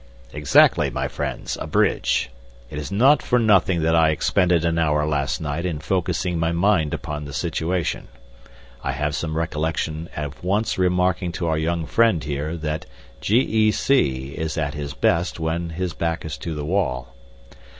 "Exactly, my friends, a bridge! It is not for nothing that I expended an hour last night in focusing my mind upon the situation. I have some recollection of once remarking to our young friend here that G. E. C. is at his best when his back is to the wall.